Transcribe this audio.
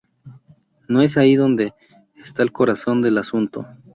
No es ahí donde esta el corazón del asunto.